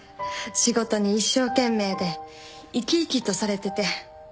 仕事に一生懸命で生き生きとされてて。